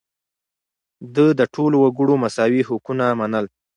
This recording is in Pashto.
ده د ټولو وګړو مساوي حقونه منل.